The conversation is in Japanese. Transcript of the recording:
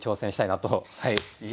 はい。